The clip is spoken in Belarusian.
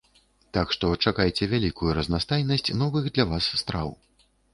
Так што чакайце вялікую разнастайнасць новых для вас страў.